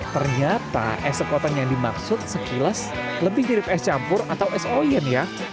ternyata es sekoteng yang dimaksud sekilas lebih mirip es campur atau es oyen ya